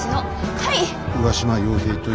はい！